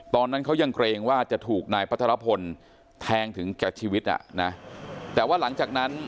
ตอนนั้นเขายังเกรงว่าจะถูกนายพัทรพลแทงถึงแก่ชีวิตอ่ะนะแต่ว่าหลังจากนั้น